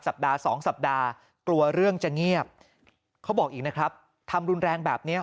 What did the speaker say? สัปดาห์สองสัปดาห์กลัวเรื่องจะเงียบเขาบอกอีกนะครับทำรุนแรงแบบเนี้ย